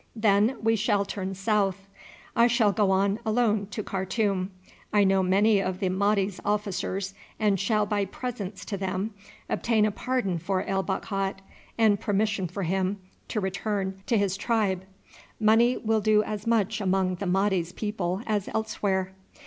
Then we shall turn south. I shall go on alone to Khartoum; I know many of the Mahdi's officers, and shall by presents to them obtain a pardon for El Bakhat, and permission for him to return to his tribe. Money will do as much among the Mahdi's people as elsewhere."